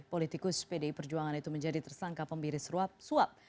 politikus pdi perjuangan itu menjadi tersangka pembiris suap